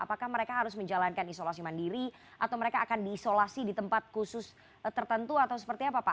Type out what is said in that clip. apakah mereka harus menjalankan isolasi mandiri atau mereka akan diisolasi di tempat khusus tertentu atau seperti apa pak